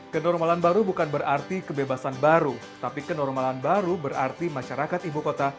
kenormalan baru bukan berarti kebebasan baru tapi kenormalan baru berarti masyarakat ibu kota